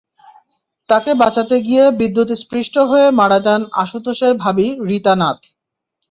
তাঁকে বাঁচাতে গিয়ে বিদ্যুৎস্পৃষ্ট হয়ে মারা যান আশুতোষের ভাবি রীতা নাথ।